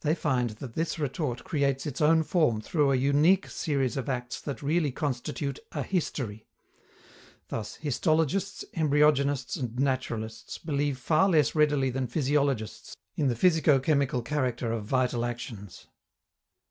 They find that this retort creates its own form through a unique series of acts that really constitute a history. Thus, histologists, embryogenists, and naturalists believe far less readily than physiologists in the physico chemical character of vital actions.